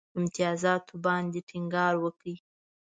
امتیازاتو باندي ټینګار وکړ.